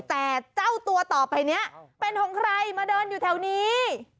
แต่เจ้าตัวต่อไปนี้เป็นของใครมาเดินอยู่แถวนี้